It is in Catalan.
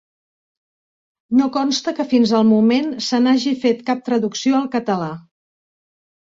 No consta que, fins al moment, se n'hagi fet cap traducció al català.